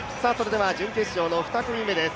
準決勝の２組目です。